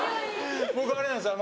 僕あれなんですよ